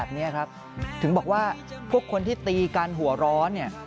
ผมบอกว่าพวกคนที่ตีกันหัวร้อนเนี่ย